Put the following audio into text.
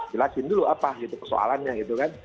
jelasin dulu apa gitu persoalannya gitu kan